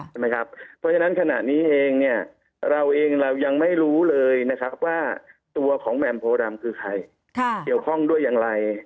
เพราะฉะนั้นขณะนี้เองเนี่ยเราเองเรายังไม่รู้เลยนะครับว่าตัวของแหม่มโพดำคือใครเกี่ยวข้องด้วยอย่างไร